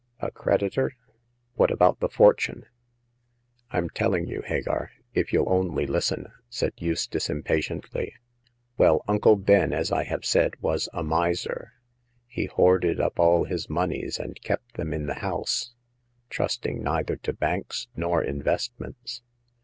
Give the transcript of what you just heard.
A creditor. What about the fortune ?"*' Fm telling you, Hagar, if you'll only listen," said Eustace, impatiently. Well, Uncle Ben, as I have said, was a miser. He hoarded up all his moneys and kept them in the house, trusting neither to banks nor investments.